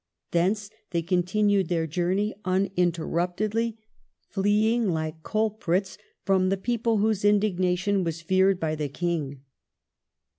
Thence they continued their journey uninterruptedly, fleeing like culprits from the people whose indignation was feared by the King.